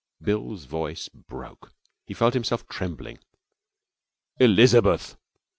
Bill's voice broke. He felt himself trembling. 'Elizabeth!'